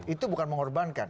itu bukan mengorbankan